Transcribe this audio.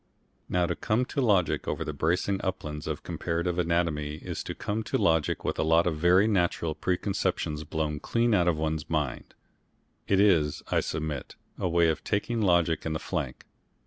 Now to come to logic over the bracing uplands of comparative anatomy is to come to logic with a lot of very natural preconceptions blown clean out of one's mind. It is, I submit, a way of taking logic in the flank.